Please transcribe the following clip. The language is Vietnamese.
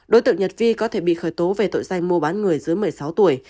đối tượng nhật vi có thể bị khởi tố về tội danh mua bán người dưới một mươi sáu tuổi